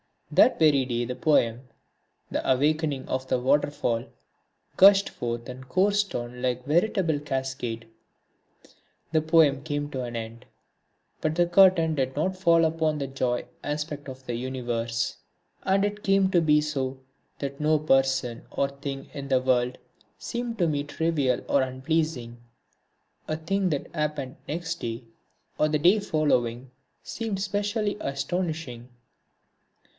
That very day the poem, The Awakening of the Waterfall, gushed forth and coursed on like a veritable cascade. The poem came to an end, but the curtain did not fall upon the joy aspect of the Universe. And it came to be so that no person or thing in the world seemed to me trivial or unpleasing. A thing that happened the next day or the day following seemed specially astonishing.